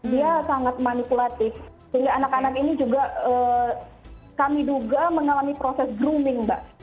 dia sangat manipulatif sehingga anak anak ini juga kami duga mengalami proses grooming mbak